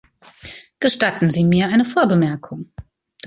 Gestatten Sie mir eine Vorbemerkung.